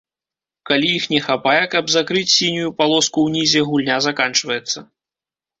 Калі іх не хапае, каб закрыць сінюю палоску ўнізе, гульня заканчваецца.